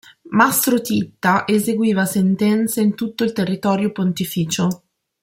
Mastro Titta eseguiva sentenze in tutto il territorio pontificio.